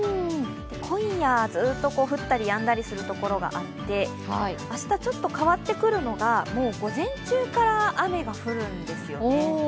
今夜ずっと降ったりやんだりするところがあって、明日、ちょっと変わってくるのがもう午前中から雨が降るんですよね。